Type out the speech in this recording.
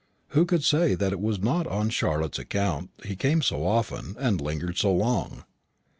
Who could say that it was not on Charlotte's account he came so often, and lingered so long?